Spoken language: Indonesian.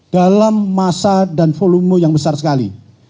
dalam masa dan volume yang besar sekali